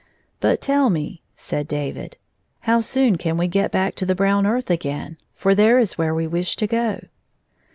" But tell me," said David, " how soon can we get back to the brown earth again 1 for there is where we wish to go."